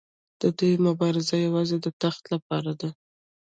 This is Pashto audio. د دوی مبارزه یوازې د تخت لپاره ده.